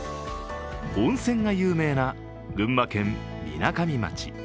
温泉が有名な群馬県みなかみ町。